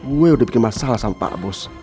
gue udah bikin masalah sama pak bus